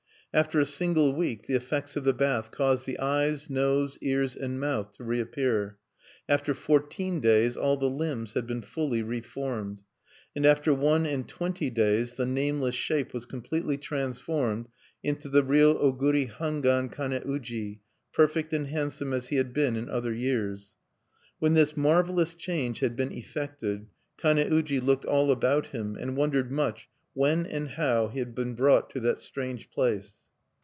After a single week the effects of the bath caused the eyes, nose, ears, and mouth to reappear; after fourteen days all the limbs had been fully re formed; And after one and twenty days the nameless shape was completely transformed into the real Oguri Hangwan Kane uji, perfect and handsome as he had been in other years. When this marvelous change had been effected, Kane uji looked all about him, and wondered much when and how he had been brought to that strange place.